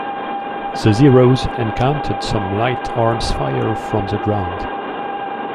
The Zeroes encountered some light arms fire from the ground.